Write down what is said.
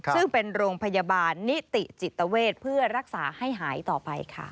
ซึ่งเป็นโรงพยาบาลนิติจิตเวทเพื่อรักษาให้หายต่อไปค่ะ